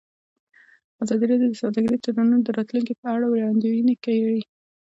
ازادي راډیو د سوداګریز تړونونه د راتلونکې په اړه وړاندوینې کړې.